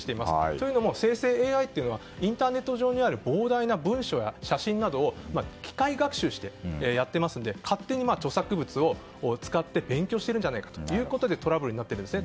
というのも生成ＡＩはインターネット上にある膨大な情報を機械学習してやってますので勝手に著作物を使って勉強しているんじゃないかということでトラブルになっているんです。